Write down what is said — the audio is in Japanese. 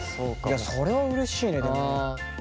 それはうれしいねでも。